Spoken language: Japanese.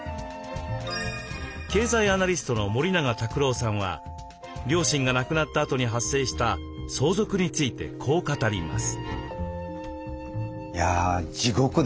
経済アナリストの森永卓郎さんは両親が亡くなったあとに発生した相続についてこう語ります。